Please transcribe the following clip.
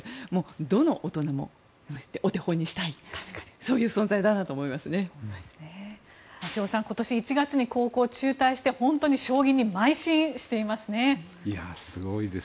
どの大人もお手本にしたい瀬尾さん、今年１月に高校中退して本当に将棋にまい進しています。